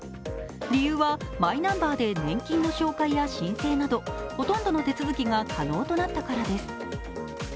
理由はマイナンバーで年金の照会や申請などほとんどの手続きが可能となったからです。